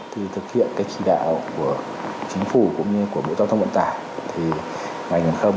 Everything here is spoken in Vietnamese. thì thực hiện cái chỉ đạo của chính phủ cũng như của bộ giao thông vận tải thì ngành hàng không